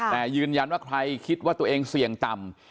แต่ยืนยันว่าใครคิดว่าตัวเองเสี่ยงต่ำ